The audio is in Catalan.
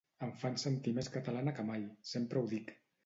Em fan sentir més catalana que mai, sempre ho dic.